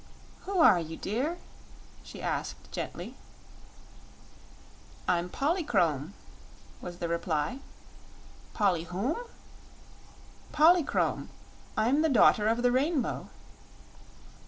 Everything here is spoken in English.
"Who are you, dear?" she asked, gently. "I'm Polychrome," was the reply. "Polly whom?" "Polychrome. I'm the Daughter of the Rainbow."